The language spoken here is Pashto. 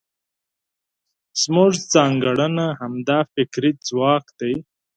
زموږ ځانګړنه همدا فکري ځواک دی.